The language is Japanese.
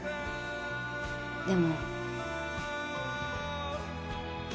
でも。